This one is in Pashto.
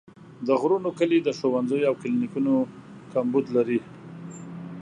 د غرونو کلي د ښوونځیو او کلینیکونو کمبود لري.